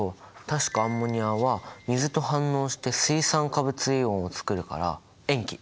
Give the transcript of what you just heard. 確かアンモニアは水と反応して水酸化物イオンを作るから塩基。